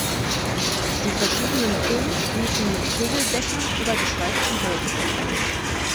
Die verschiedenen Türme schließen mit Kegeldächern oder geschweiften Hauben.